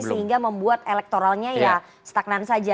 sehingga membuat elektoralnya ya stagnan saja